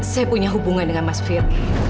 saya punya hubungan dengan mas fir